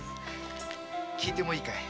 聞いてもいいかい？